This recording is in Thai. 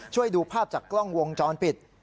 ช่วยดูภาพจากกล้องวงจรปิด